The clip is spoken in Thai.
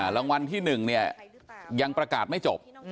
รางวัลที่๑เนี่ยยังประกาศไม่จบ